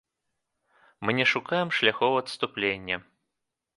Мы не шукаем шляхоў адступлення.